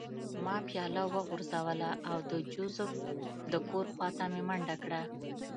ما پیاله وغورځوله او د جوزف د کور خوا ته مې منډه کړه